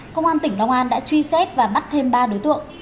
công an tỉnh long an đã truy xét và bắt thêm ba đối tượng